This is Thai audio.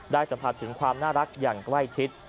สัมผัสถึงความน่ารักอย่างใกล้ชิด